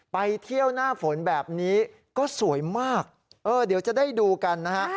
ไปเที่ยวหน้าฝนแบบนี้ก็สวยมากเดี๋ยวจะได้ดูกันนะฮะ